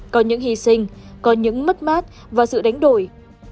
có những hy sinh có những mất mát và sự đánh đổi